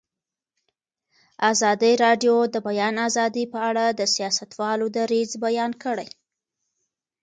ازادي راډیو د د بیان آزادي په اړه د سیاستوالو دریځ بیان کړی.